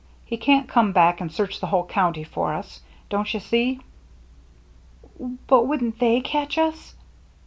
He can't come back and search the whole county for us. Don't you see?" "But wouldn't they catch us?"